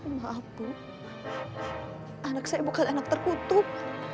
maaf bu anak saya bukan anak terkutuk